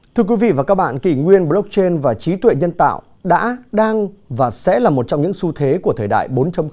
thưa quý vị và các bạn kỷ nguyên blockchain và trí tuệ nhân tạo đã đang và sẽ là một trong những xu thế của thời đại bốn